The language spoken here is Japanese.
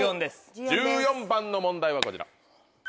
１４番の問題はこちら。